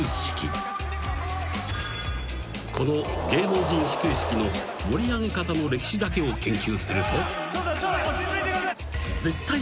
［この芸能人始球式の盛り上げ方の歴史だけを研究すると］